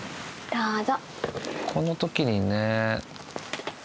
どうぞ。